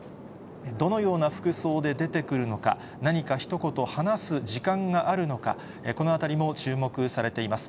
どのような服装で出てくるのか、何かひと言話す時間があるのか、このあたりも注目されています。